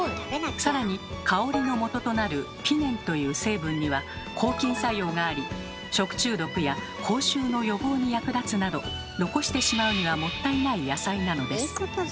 さらに香りのもととなるピネンという成分には抗菌作用があり食中毒や口臭の予防に役立つなど残してしまうにはもったいない野菜なのです。